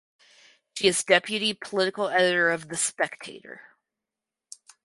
She is deputy political editor of "The Spectator".